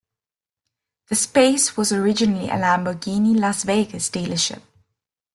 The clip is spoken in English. The space was originally a Lamborghini Las Vegas dealership.